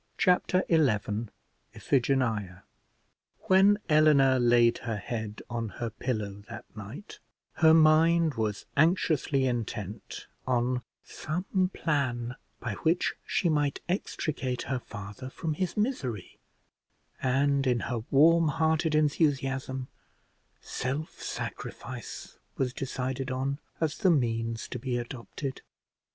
Chapter XI IPHIGENIA When Eleanor laid her head on her pillow that night, her mind was anxiously intent on some plan by which she might extricate her father from his misery; and, in her warm hearted enthusiasm, self sacrifice was decided on as the means to be adopted.